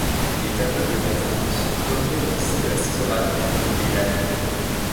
Il est aveugle d’enfance, comme Maurice de La Sizeranne dont il est l’ami.